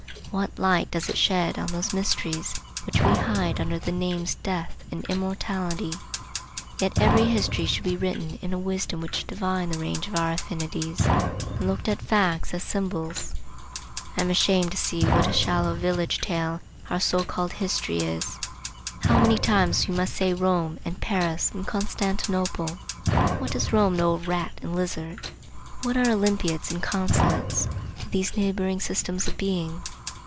What light does it shed on those mysteries which we hide under the names Death and Immortality? Yet every history should be written in a wisdom which divined the range of our affinities and looked at facts as symbols. I am ashamed to see what a shallow village tale our so called History is. How many times we must say Rome, and Paris, and Constantinople! What does Rome know of rat and lizard? What are Olympiads and Consulates to these neighboring systems of being?